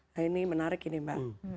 nah ini menarik ini mbak